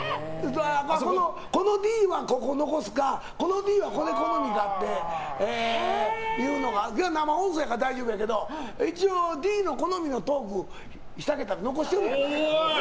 このＤは、ここを残すのかこのＤはこれ好みだっていうのが今日は生放送やから大丈夫やけど一応、Ｄの好みのトークをしたら残してくれるやんか。